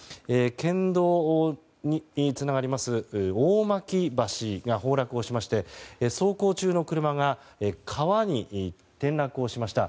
県道につながります大巻橋が崩落しまして走行中の車が川に転落をしました。